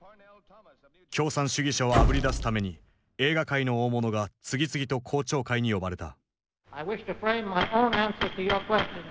共産主義者をあぶり出すために映画界の大物が次々と公聴会に呼ばれた。